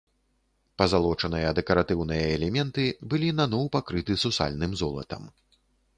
Пазалочаныя дэкаратыўныя элементы былі наноў пакрыты сусальным золатам.